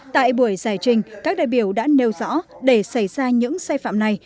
tại buổi giải trình các đại biểu đã nêu rõ để xảy ra những sai phạm này